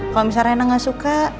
kalau misalnya emang gak suka